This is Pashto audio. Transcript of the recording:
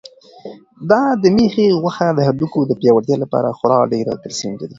دا د مېښې غوښه د هډوکو د پیاوړتیا لپاره خورا ډېر کلسیم لري.